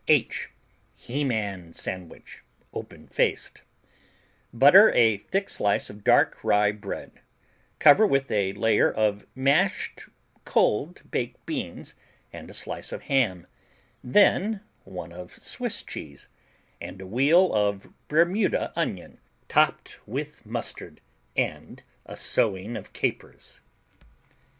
H He man Sandwich, Open faced Butter a thick slice of dark rye bread, cover with a layer of mashed cold baked beans and a slice of ham, then one of Swiss cheese and a wheel of Bermuda onion topped with mustard and a sowing of capers.